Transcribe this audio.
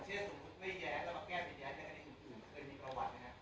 เช่นสมมุติไม่แย้งแล้วมาแก้เป็นแย้งแล้วกันให้คุณภูมิเคยมีประวัตินะครับ